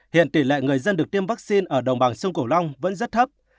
hiện tỷ lệ người dân được tiêm vaccine ở đồng bằng sông cổ long vẫn rất thấp